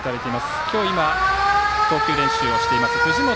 今日、投球練習をしています